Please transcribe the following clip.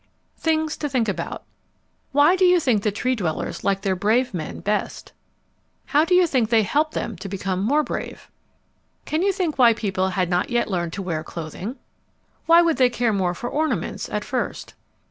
THINGS TO THINK ABOUT Why do you think the Tree dwellers liked their brave men best? How do you think they helped them to become more brave? Can you think why people had not yet learned to wear clothing? Why would they care more for ornaments at first?